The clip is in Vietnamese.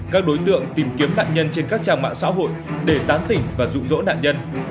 các đối tượng tìm kiếm nạn nhân trên các trang mạng xã hội để tán tỉnh và rụ rỗ nạn nhân